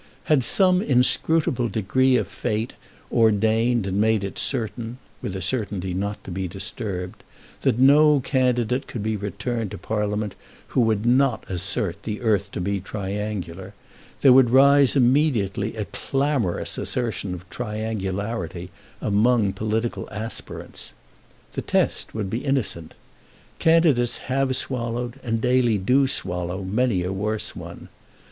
Had some inscrutable decree of fate ordained and made it certain, with a certainty not to be disturbed, that no candidate could be returned to Parliament who would not assert the earth to be triangular, there would rise immediately a clamorous assertion of triangularity among political aspirants. The test would be innocent. Candidates have swallowed, and daily do swallow, many a worse one.